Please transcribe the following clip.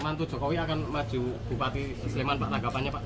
nanti jokowi akan maju bupati sleman pak tanggapannya pak